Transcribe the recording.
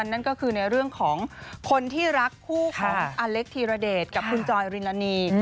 นั่นก็คือในเรื่องของคนที่รักคู่ของอเล็กธีรเดชกับคุณจอยริลานี